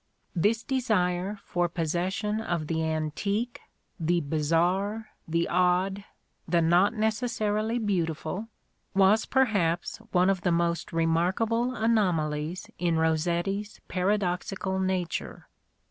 This desire for possession of the antique, the bizarre, the odd, the not necessarily beauti ful, was perhaps one of the most remarkable anomalies in Rossetti's paradoxical nature.